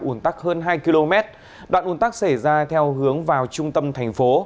ủn tắc hơn hai km đoạn ủn tắc xảy ra theo hướng vào trung tâm thành phố